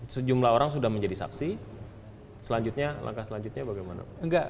sejumlah orang sudah menjadi saksi selanjutnya langkah selanjutnya bagaimana